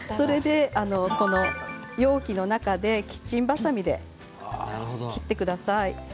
容器の中でキッチンばさみで切ってください。